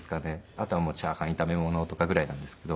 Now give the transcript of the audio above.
あとはチャーハン炒め物とかぐらいなんですけど。